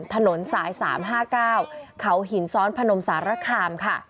ถนนสาย๓๕๙เขาหินซ้อนพนมสารคามค่ะ